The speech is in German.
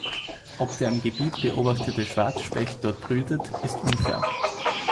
Ob der im Gebiet beobachtete Schwarzspecht dort brütet, ist unklar.